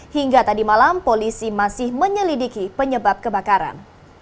hingga tadi malam polisi masih menyelidiki penyebab kebakaran